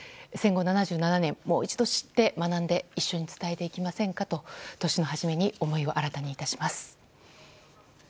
戦後７７年もう一度知って、学んで一緒に伝えていきませんかと年の初めに思いを新たに致します。